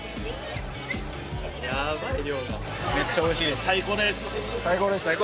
めっちゃおいしいです、最高です。